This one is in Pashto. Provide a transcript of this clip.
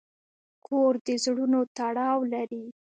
کور د زړونو تړاو لري.